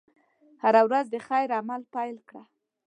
هره ورځ د خیر عمل پيل کړه.